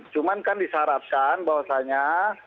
cuman kan disarankan bahwasanya